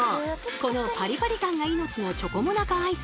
このパリパリ感が命のチョコモナカアイス！